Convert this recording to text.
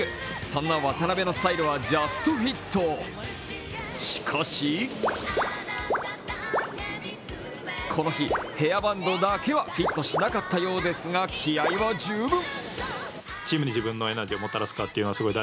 そんな渡邊のスタイルはジャストフィット、しかしこの日、ヘアバンドだけはフィットしなかったようですが、気合いは十分。